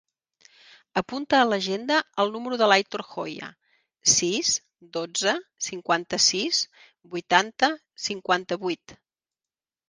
Apunta a l'agenda el número de l'Aitor Joya: sis, dotze, cinquanta-sis, vuitanta, cinquanta-vuit.